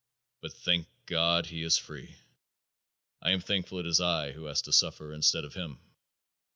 But thank God, he is free. I am thankful it is I who has to suffer instead of him.